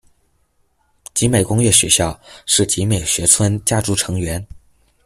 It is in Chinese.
集美工业学校，是「集美学村」家族成员。